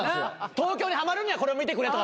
東京にはまるにはこれを見てくれとか。